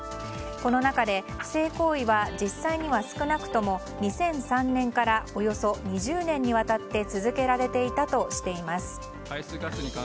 この中で、不正行為は実際には少なくとも２００３年からおよそ２０年にわたって続けられていたとしています。